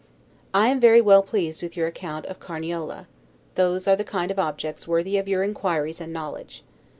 I am very well pleased with your account of Carniola; those are the kind of objects worthy of your inquiries and knowledge.